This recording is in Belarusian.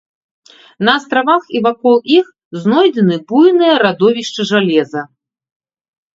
На астравах і вакол іх знойдзены буйныя радовішчы жалеза.